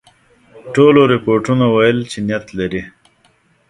ټولو رپوټونو ویل چې نیت لري.